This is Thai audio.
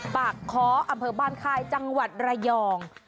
ปากค้ออำเภอบ้านค่ายจังหวัดระยอง